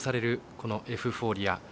このエフフォーリア。